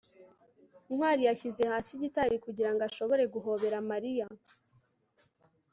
ntwali yashyize hasi gitari kugirango ashobore guhobera mariya